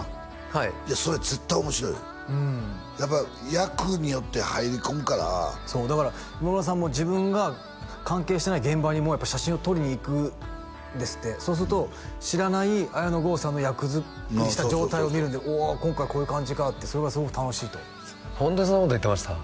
はいそれ絶対面白いよやっぱ役によって入り込むからそうだから今村さんも自分が関係してない現場にもやっぱ写真を撮りに行くんですってそうすると知らない綾野剛さんの役作りした状態を見るんで「お今回こういう感じか」って「それがすごく楽しい」とホントにそんなこと言ってました？